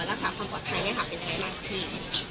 รักษาความปลอดภัยเนี้ยค่ะเป็นไงบ้างคือ